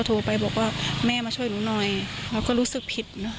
โทรไปถามว่าแม่ช่วยด้วยถูกจับ